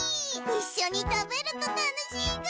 いっしょにたべるとたのしいぐ！